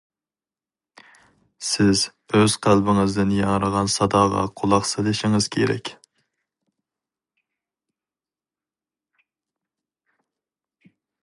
سىز ئۆز قەلبىڭىزدىن ياڭرىغان ساداغا قۇلاق سېلىشىڭىز كېرەك.